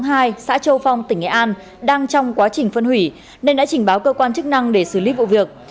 xã châu phong tỉnh nghệ an đang trong quá trình phân hủy nên đã trình báo cơ quan chức năng để xử lý vụ việc